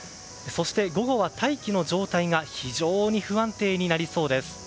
そして、午後は大気の状態が非常に不安定になりそうです。